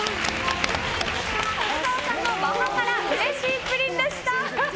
花澤さんのマハカラのうれしいプリンでした。